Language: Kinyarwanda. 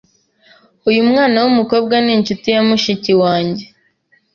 Uyu mwana wumukobwa ninshuti ya mushiki wanjye.